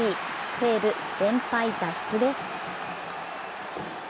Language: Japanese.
西武、連敗脱出です。